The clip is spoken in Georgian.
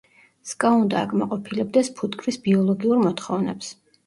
სკა უნდა აკმაყოფილებდეს ფუტკრის ბიოლოგიურ მოთხოვნებს.